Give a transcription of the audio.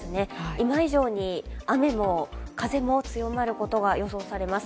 今以上に雨も風も強まることが予想されます。